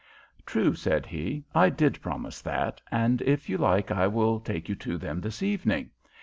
"True," said he, "I did promise that, and if you like I will take you to them this evening.